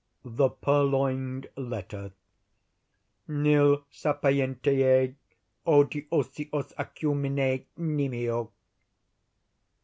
] THE PURLOINED LETTER Nil sapientiæ odiosius acumine nimio.